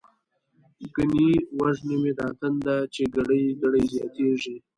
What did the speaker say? ګنی وژنی می دا تنده، چی ګړۍ ګړۍ زياتيږی